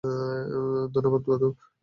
ধন্যবাদ, দাদু!